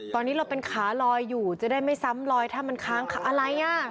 ตอนนี้เราเป็นขาลอยอยู่จะได้ไม่ซ้ำลอยถ้ามันค้างอะไรอ่ะ